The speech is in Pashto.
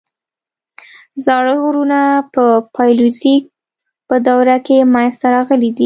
زاړه غرونه په پالیوزویک په دوره کې منځته راغلي دي.